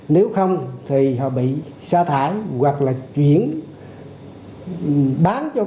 nếu không thì họ bị xa thải hoặc là chuyển bán cho công ty